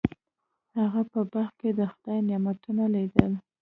هغه په باغ کې د خدای نعمتونه لیدل.